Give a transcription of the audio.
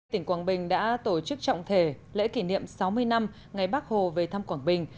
tỉnh quảng bình đã tổ chức trọng thể lễ kỷ niệm sáu mươi năm ngày bắc hồ về thăm quảng bình